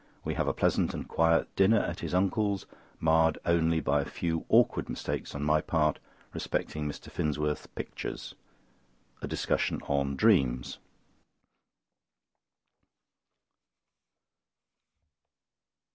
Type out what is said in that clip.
We have a pleasant and quiet dinner at his uncle's, marred only by a few awkward mistakes on my part respecting Mr. Finsworth's pictures. A discussion on dreams.